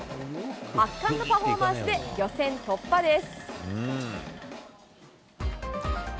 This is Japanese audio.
圧巻のパフォーマンスで予選突破です。